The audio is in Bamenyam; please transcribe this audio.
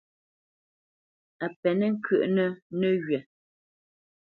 A pénə̄ ŋkyə́ʼnə́ nəghywa.